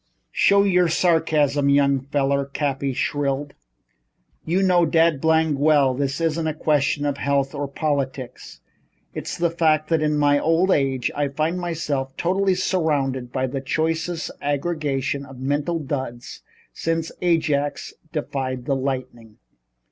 "Stow your sarcasm, young feller," Cappy shrilled. "You know dad blamed well it isn't a question of health or politics. It's the fact that in my old age I find myself totally surrounded by the choicest aggregation of mental duds since Ajax defied the lightning."